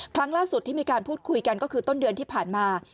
ครั้งล่าสุดที่มีการพูดคุยกันก็คือต้นเดือนที่ผ่านมา